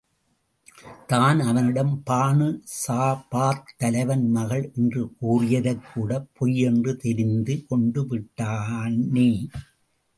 தான் அவனிடம் பானு சாபாத் தலைவன் மகள் என்று கூறியதைக் கூடப் பொய்யென்று, தெரிந்து கொண்டு விட்டானே?